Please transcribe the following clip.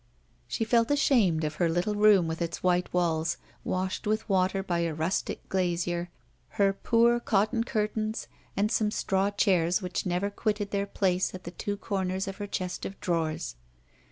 She felt ashamed of her little room with its white walls, washed with water by a rustic glazier, her poor cotton curtains, and some straw chairs which never quitted their place at the two corners of her chest of drawers.